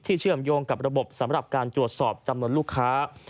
เชื่อมโยงกับระบบสำหรับการตรวจสอบจำนวนลูกค้า